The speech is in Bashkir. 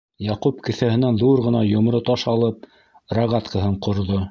Яҡуп, кеҫәһенән ҙур ғына йомро таш алып, рогаткаһын ҡорҙо.